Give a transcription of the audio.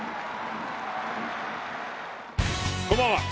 こんばんは。